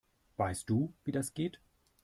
Weißt du, wie das geht?